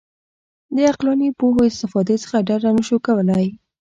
د عقلاني پوهو استفادې څخه ډډه نه شو کولای.